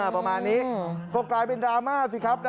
ประมาณนี้ก็กลายเป็นดราม่าสิครับ